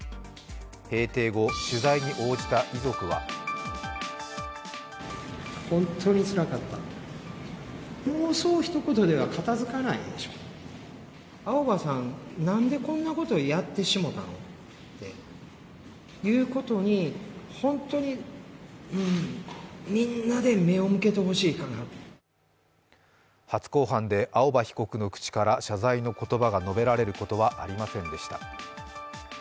閉廷後、取材に応じた遺族は初公判で青葉被告の口から謝罪の言葉が述べられることはありませんでした。